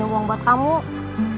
dia selalu ngebawa sms gara gara jessy